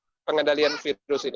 dan juga pengendalian virus ini